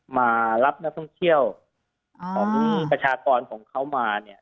มารับนักท่องเที่ยวของประชากรของเขามาเนี่ย